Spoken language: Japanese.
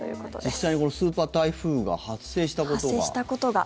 実際これ、スーパー台風が発生したことは？